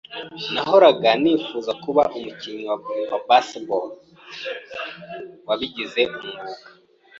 Nahoraga nifuza kuba umukinnyi wa basketball wabigize umwuga.